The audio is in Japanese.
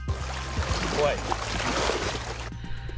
怖い。